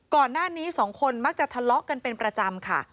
ก่อนหน้านี้สองคนมักจะทะเลาะกันเป็นประจำค่ะ